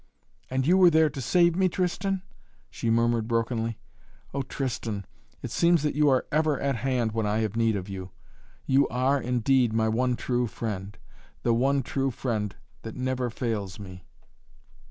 "And you were there to save me, Tristan?" she murmured brokenly. "Oh, Tristan, it seems that you are ever at hand when I have need of you! You are, indeed, my one true friend the one true friend that never fails me!"